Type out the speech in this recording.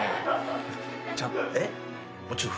えっ？